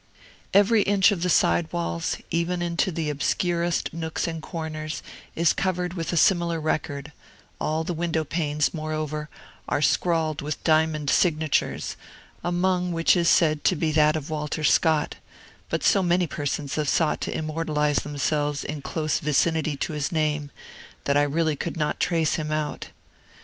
Every inch of the sidewalls, even into the obscurest nooks and corners, is covered with a similar record; all the window panes, moreover, are scrawled with diamond signatures, among which is said to be that of Walter Scott; but so many persons have sought to immortalize themselves in close vicinity to his name, that I really could not trace him out.